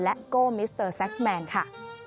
โก้มิสเตอร์แซ็กซ์แมนค่ะ